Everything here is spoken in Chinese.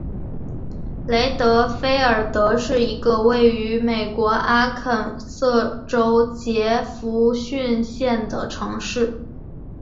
雷德菲尔德是一个位于美国阿肯色州杰佛逊县的城市。